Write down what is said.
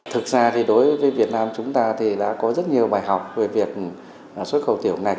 thực ra thì đối với việt nam chúng ta thì đã có rất nhiều bài học về việc xuất khẩu tiểu ngạch